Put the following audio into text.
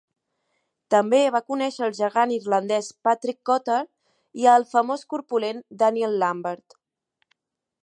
També va conèixer el gegant irlandès Patrick Cotter i el famós corpulent Daniel Lambert.